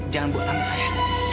jangan buat tante saya